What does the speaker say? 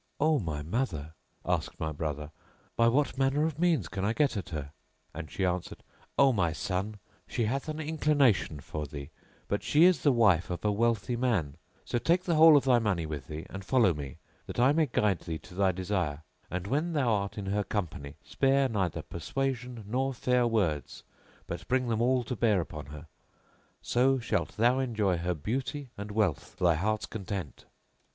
"O my mother," asked my brother, "by what manner of means can I get at her?"; and she answered, "O my son! she hath an inclination for thee, but she is the wife of a wealthy man; so take the whole of thy money with thee and follow me, that I may guide thee to thy desire: and when thou art in her company spare neither persuasion nor fair words, but bring them all to bear upon her; so shalt thou enjoy her beauty and wealth to thy heart's content."